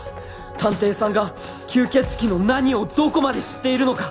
探偵さんが吸血鬼の何をどこまで知っているのか